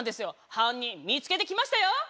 犯人見つけてきましたよ！